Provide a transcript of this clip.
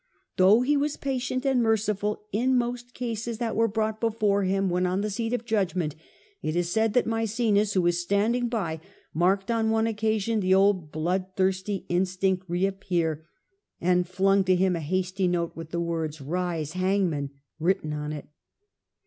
Though he was patient and merciful in most cases that were brought before him when on the seat of judgment, it is said that Maecenas, who was standing by, marked on one occasion the old blood thirsty instinct reappear, and flung to him a hasty note with the words, 'Rise, Hangman!' written on Called for it.